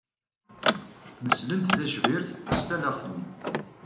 Meslen-d tacbirt s talaɣt-nni.